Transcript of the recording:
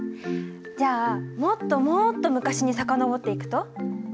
じゃあもっともっと昔に遡っていくと？